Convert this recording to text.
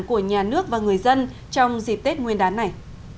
của nhà nước và người dân trong dịp tết nguyên đán này